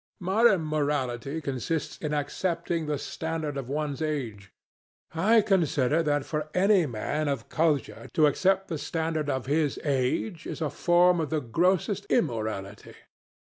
Modern morality consists in accepting the standard of one's age. I consider that for any man of culture to accept the standard of his age is a form of the grossest immorality."